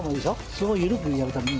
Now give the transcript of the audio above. すごい緩くやるために。